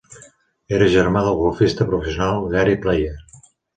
Era germà del golfista professional Gary Player.